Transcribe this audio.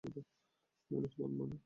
উনি তোমার মা!